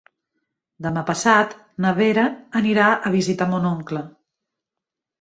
Demà passat na Vera anirà a visitar mon oncle.